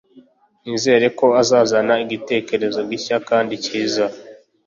Nizere ko azazana igitekerezo gishya kandi cyiza.